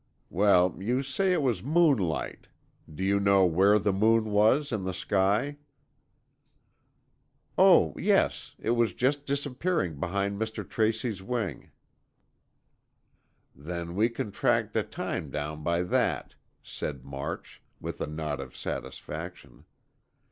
Well, you say it was moonlight. Do you know where the moon was, in the sky?" "Oh, yes, it was just disappearing behind Mr. Tracy's wing." "Then we can track the time down by that," said March, with a nod of satisfaction.